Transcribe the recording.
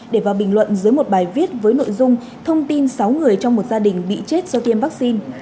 để vào bình luận dưới một bài viết với nội dung thông tin sáu người trong một gia đình bị chết do tiêm vaccine